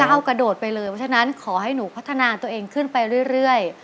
เพราะฉะนั้นขอให้หนูพัฒนาตัวเองขึ้นไปเรื่อย